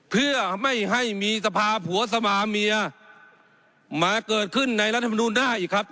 เพื่อไม่ให้มีสภาพผัวสภาเมียมาเกิดขึ้นในรัฐมนูลหน้าอีกครับ